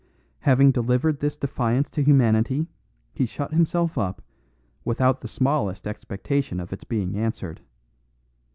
Having delivered this defiance to humanity he shut himself up, without the smallest expectation of its being answered.